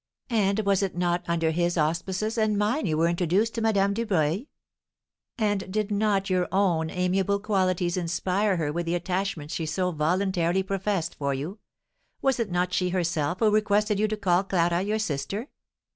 and was it not under his auspices and mine you were introduced to Madame Dubreuil? and did not your own amiable qualities inspire her with the attachment she so voluntarily professed for you? was it not she herself who requested you to call Clara your sister?